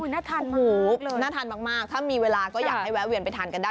น่าทานมากเลยถ้ามีเวลาก็อยากให้แวะเวียนไปทานกันได้